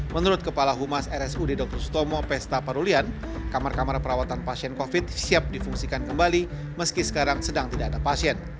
menurut kepala humas rsud dr sutomo pesta parulian kamar kamar perawatan pasien covid siap difungsikan kembali meski sekarang sedang tidak ada pasien